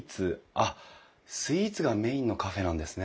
あっスイーツがメインのカフェなんですね。